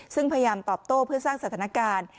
ซึ่งพยายามตอบโตเพื่อสร้างสักธนาคาร